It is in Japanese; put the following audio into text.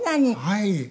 はい。